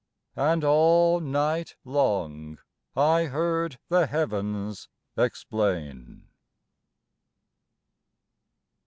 And all night long I heard the Heavens explain.